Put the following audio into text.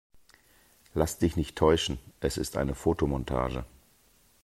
Lass dich nicht täuschen, es ist eine Fotomontage.